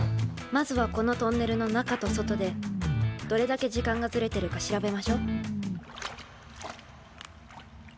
まずはこのトンネルの中と外でどれだけ時間がずれてるか調べましょ。